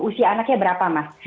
usia anaknya berapa mas